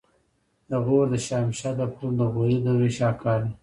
د غور د شاهمشه د پل د غوري دورې شاهکار دی